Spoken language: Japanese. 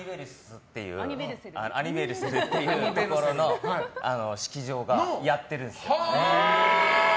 アニヴェルセルっていうところの式場がやってるんですよ。